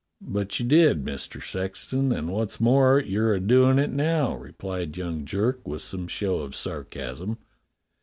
"But you did, Mister Sexton, and, what's more, you're a doin' it now," replied young Jerk with some show of sarcasm.